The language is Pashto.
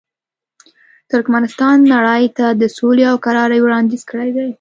ترکمنستان نړۍ ته د سولې او کرارۍ وړاندیز کړی دی.